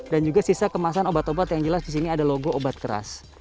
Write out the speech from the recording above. dan juga sisa kemasan obat obat yang jelas di sini ada logo obat keras